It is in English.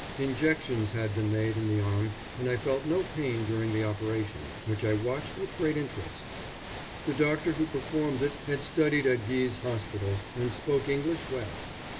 Injections had been made in the arm, and I felt no pain during the operation, which I watched with great interest. The doctor who performed it had studied at Guy's Hospital and spoke English well.